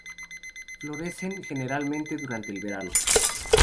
Florecen generalmente durante el verano.